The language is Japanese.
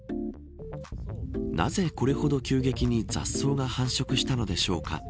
なぜこれほど急激に雑草が繁殖したのでしょうか。